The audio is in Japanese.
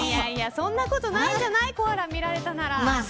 そんなことないんじゃないコアラ見られたなら。